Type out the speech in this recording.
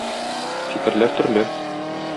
Фикерләр төрле.